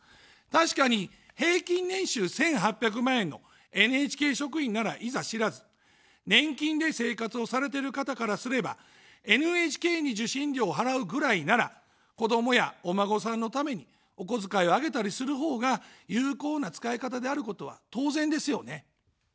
確かに平均年収１８００万円のＮＨＫ職員ならいざしらず、年金で生活をされてる方からすれば、ＮＨＫに受信料を払うぐらいなら、子どもやお孫さんのためにお小遣いをあげたりするほうが有効な使い方であることは当然ですよね。